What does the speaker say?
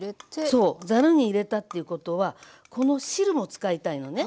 そうざるに入れたっていうことはこの汁も使いたいのね。